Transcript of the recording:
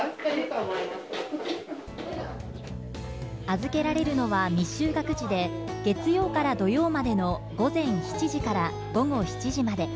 預けられるのは未就学児で、月曜から土曜までの午前７時から午後７時まで。